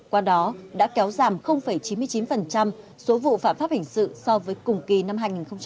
qua đó đã kéo giảm chín mươi chín số vụ phạm pháp hình sự so với cùng kỳ năm hai nghìn một mươi chín